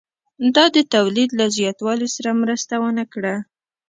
دا د تولید له زیاتوالي سره مرسته ونه کړه